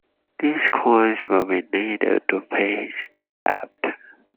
These coins will be needed to pay his debt.